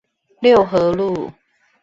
六合路